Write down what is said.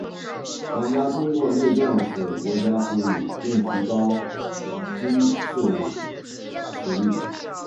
玩家通过内政使国家富裕并提高军事实力。